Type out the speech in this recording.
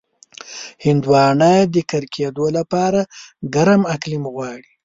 هندوانه د کر کېدو لپاره ګرم اقلیم غواړي.